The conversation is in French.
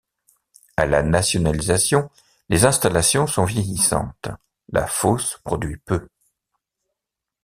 À la Nationalisation, les installations sont vieillissantes, la fosse produit peu.